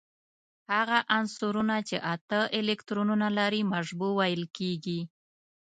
هغه عنصرونه چې اته الکترونونه لري مشبوع ویل کیږي.